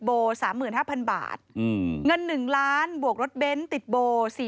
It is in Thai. โอ้โห